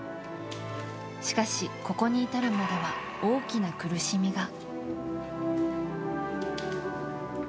しかし、ここに至るまでは大きな苦しみが。